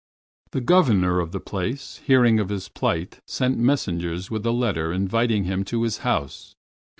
The governor of the place, hearing of his plight, sent messengers with a letter inviting him to his house.